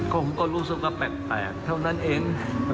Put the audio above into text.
ผมก็รู้สึกว่าแปลกเท่านั้นเอง